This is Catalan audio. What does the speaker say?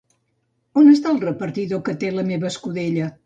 On està el repartidor que té la meva escudella?